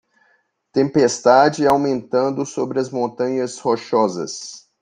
Tempestade aumentando sobre as Montanhas Rochosas.